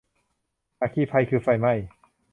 อัคคีภัย คือไฟไหม้